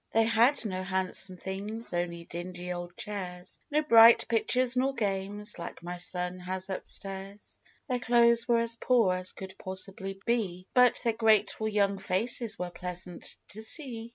41 " They had no handsome things ; only dingy, old chairs ; No bright pictures nor games, like my son has up stairs ; Their clothes were as poor as could possibly he, But their grateful young faces were pleasant to see.